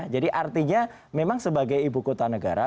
jadi artinya memang sebagai ibu kota negara